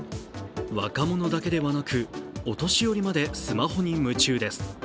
若者だけではなくお年寄りまでスマホに夢中です。